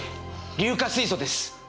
硫化水素です。